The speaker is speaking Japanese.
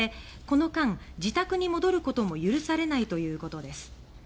この間、自宅に戻ることも許されないということです。